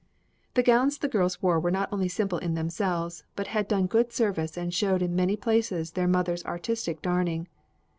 The gowns the girls wore were not only simple in themselves, but had done good service and showed in many places their mother's artistic darning.